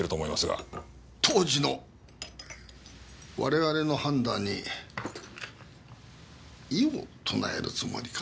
当時の我々の判断に異を唱えるつもりか？